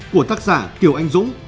của tác giả kiều anh dũng